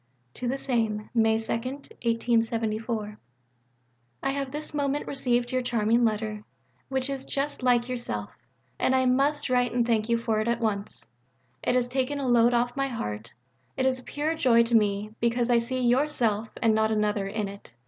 (To the same.) May 2 . I have this moment received your charming letter, which is just like yourself. And I must write and thank you for it at once. It has taken a load off my heart. It is a pure joy to me: because I see yourself (and not another) in it.